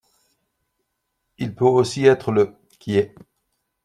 Il peut aussi être le ' qui est '.